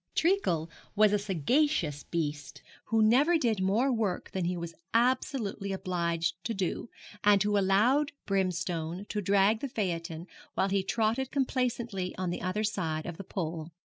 Treacle was a sagacious beast, who never did more work than he was absolutely obliged to do, and who allowed Brimstone to drag the phaeton while he trotted complacently on the other side of the pole.